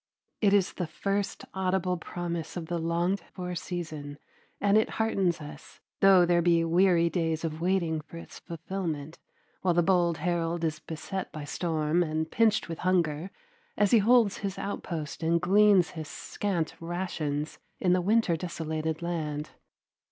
It is the first audible promise of the longed for season, and it heartens us, though there be weary days of waiting for its fulfillment, while the bold herald is beset by storm and pinched with hunger as he holds his outpost and gleans his scant rations in the winter desolated land.